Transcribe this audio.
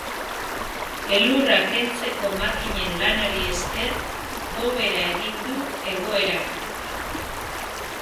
Elurra kentzeko makinen lanari esker, hobera egin du egoerak.